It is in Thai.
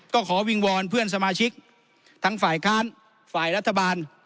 ก็ขอวิงวอนเพื่อนสมาชิกทั้งฝ่ายค้านฝ่ายรัฐบาล